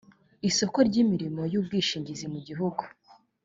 isoko ry imirimo y ubwishingizi mu gihugu